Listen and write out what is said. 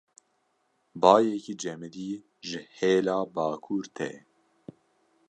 Bayekî cemidî ji hêla bakur tê.